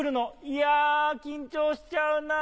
いや緊張しちゃうな。